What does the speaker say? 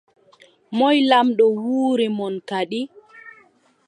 Moy lamɗo wuro mon kadi ?